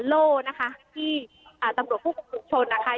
โลนะคะที่อ่าตำรวจผู้ของปลูกชนนะคะ